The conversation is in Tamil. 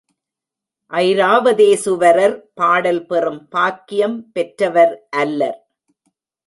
ஐராவதேசுவரர் பாடல் பெறும் பாக்கியம் பெற்றவர் அல்லர்.